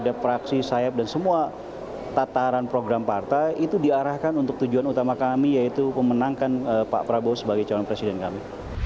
ada praksi sayap dan semua tataran program partai itu diarahkan untuk tujuan utama kami yaitu memenangkan pak prabowo sebagai calon presiden kami